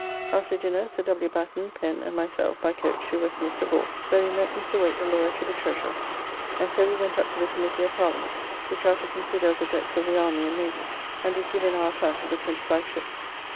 After dinner Sir W. Batten, Pen, and myself by coach to Westminster Hall, where we met Mr. Wayte the lawyer to the Treasurer, and so we went up to the Committee of Parliament, which are to consider of the debts of the Army and Navy, and did give in our account of the twenty five ships.